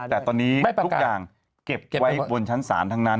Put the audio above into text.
แต่ตอนนี้ทุกอย่างเก็บไว้บนชั้นศาลทั้งนั้น